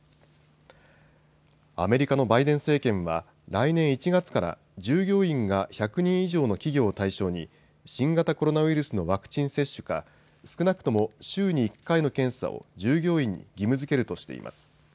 アメリカのバイデン政権は来年１月から従業員が１００人以上の企業を対象に新型コロナウイルスのワクチン接種か少なくとも週に１回の検査を従業員に義務づけるとしています。